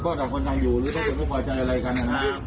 พ่อสามคนนั้นอยู่หรือว่าคุณไม่ปลอดภัยอะไรกันนะ